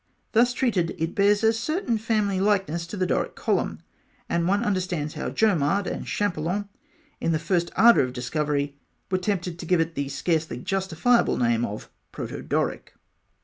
Thus treated, it bears a certain family likeness to the Doric column; and one understands how Jomard and Champollion, in the first ardour of discovery, were tempted to give it the scarcely justifiable name of "proto Doric."